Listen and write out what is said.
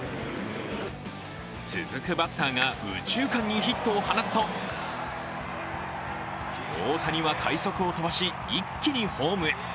続くバッターが右中間にヒットを放つと大谷は快足を飛ばし一気にホームへ。